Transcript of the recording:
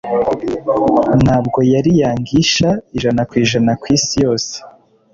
ntabwo ari Yangish ijana kwijana kwisi yose